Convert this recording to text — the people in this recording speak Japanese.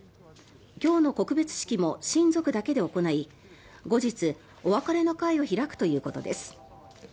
今日の告別式も親族だけで行い後日、お別れの会を開くということです。